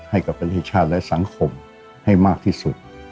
ให้กับประเทศชาติและสังคมให้มากที่สุด